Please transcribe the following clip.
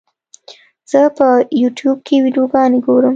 زه په یوټیوب کې ویډیوګانې ګورم.